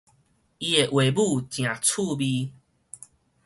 伊的話母誠趣味